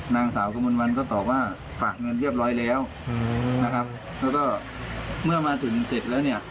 นางสาวกมลวันก็ตอบว่าฝากเงินเรียบร้อยแล้วนะครับแล้วก็เมื่อมาถึงเสร็จแล้วเนี่ย